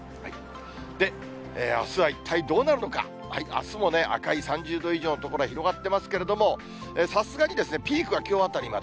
で、あすは一体どうなるのか、今も赤い３０度以上の所が広がってますけれども、さすがにピークはきょうあたりまで。